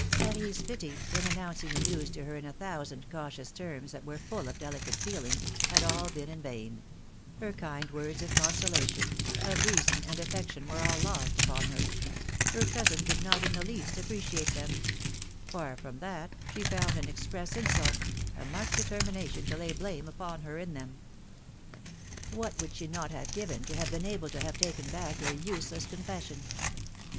Marie's pity, in announcing the news to her in a thousand cautious terms that were full of delicate feeling, had all been in vain ; her kind words of consolation, of reason and affection were all lost upon her; her cousin did not in the least appreciate them ; far from that,, she found an express insult, a marked determination to lay blame upon her in them. v What would she not have given to have been able to have tahen back her useless confession?